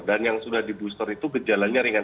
dan yang sudah di booster itu kejalannya ringan